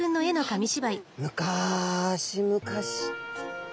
むかしむかし